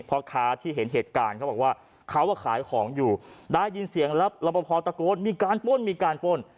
พ่อค้าที่เห็นเหตุการณ์เขาบอกว่าเขาขายของอยู่ได้ยินเสียงแล้วรับประพอตะโกนมีการป้นมีการป้น